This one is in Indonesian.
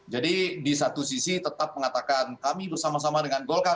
jadi disatu sisi tetap mengatakan kami bersama sama dengan golkar